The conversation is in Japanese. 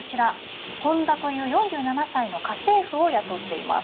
本田という４７歳の家政婦を雇っています。